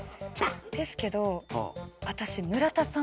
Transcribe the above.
ですけど私村田さん